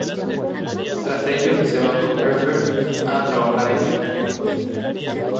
Tras ello se va con Herbert a trabajar a Egipto.